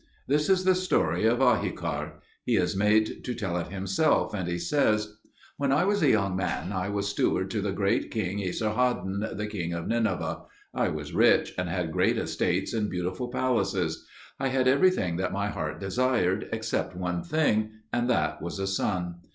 This is the story of Ahikar. He is made to tell it himself, and he says: When I was a young man I was steward to the great king Esarhaddon, the king of Nineveh. I was rich, and had great estates and beautiful palaces; I had everything that my heart desired, except one thing: and that was, a son.